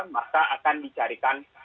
maka akan dicarikan